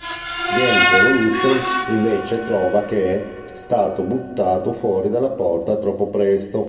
Game Revolution invece trova che "è stato buttato fuori dalla porta troppo presto".